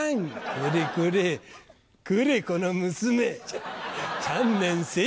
これこれこれこの娘観念せい！